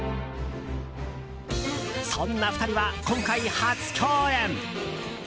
そんな２人は今回、初共演。